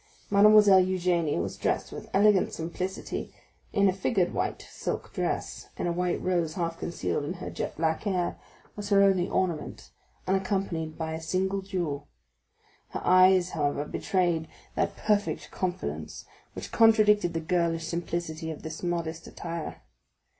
Mademoiselle Eugénie was dressed with elegant simplicity in a figured white silk dress, and a white rose half concealed in her jet black hair was her only ornament, unaccompanied by a single jewel. Her eyes, however, betrayed that perfect confidence which contradicted the girlish simplicity of this modest attire.